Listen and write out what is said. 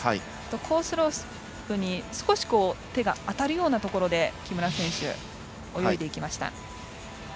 コースロープに少し手が当たるようなところで木村選手、泳いでいきました。